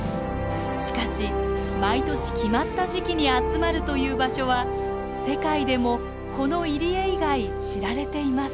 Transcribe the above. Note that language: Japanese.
しかし毎年決まった時期に集まるという場所は世界でもこの入り江以外知られていません。